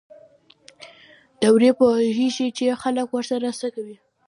دوی پوهېږي چې خلک ورسره څه کوي.